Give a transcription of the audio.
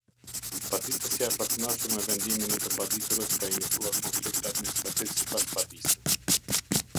Paditësja e pakënaqur me vendimin e të paditurës ka iniciuar konflikt administrativ sipas padisë.